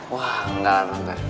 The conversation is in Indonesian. wah enggak lah enggak